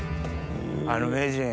あの名人。え！